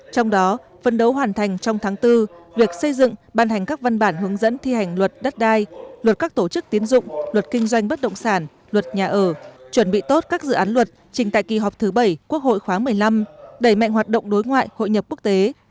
trong đó phân đấu hoàn thành trong tháng bốn việc xây dựng ban hành các văn bản hướng dẫn thi hành luật đất đai luật các tổ chức tiến dụng luật kinh doanh bất động sản luật nhà ở chuẩn bị tốt các dự án luật trình tại kỳ họp thứ bảy quốc hội khoáng một mươi năm đẩy mạnh hoạt động đối ngoại hội nhập quốc tế